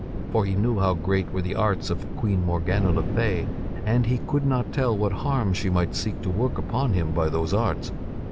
For he knew how great were the arts of Queen Morgana le Fay, and he could not tell what harm she might seek to work upon him by those arts.